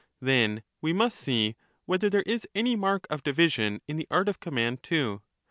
Then we must see whether there is any mark of in that division in the art of command too.